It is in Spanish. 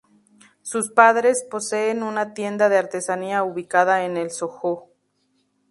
Sus padres poseen una tienda de artesanía ubicada en el SoHo.